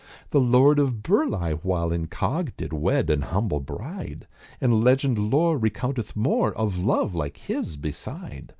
"The Lord of Burleigh while incog. Did wed an humble bride, And legend lore recounteth more Of love like his beside.